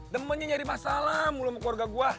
demennya nyari masalah mulu sama keluarga gue